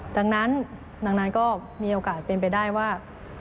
ดังนั้นก็มีโอกาสเป็นไปได้ว่า